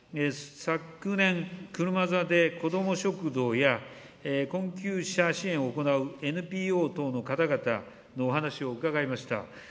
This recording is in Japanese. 昨年、車座で子ども食堂や、困窮者支援を行うＮＰＯ等の方々のお話を伺いました。